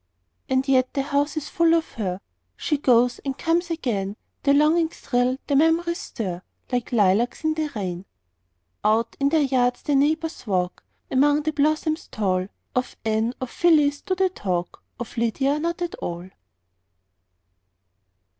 And yet the house is full of her; She goes and comes again; And longings thrill, and memories stir, Like lilacs in the rain. Out in their yards the neighbors walk, Among the blossoms tall; Of Anne, of Phyllis, do they talk, Of Lydia not at all.